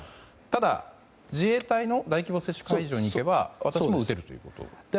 ただ、自衛隊の大規模接種会場に行けば私も打てるということ？